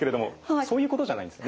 そういうことじゃないんですよね？